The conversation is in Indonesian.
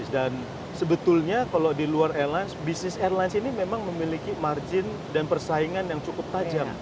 dan sebetulnya kalau di luar airlines bisnis airlines ini memang memiliki margin dan persaingan yang cukup tajam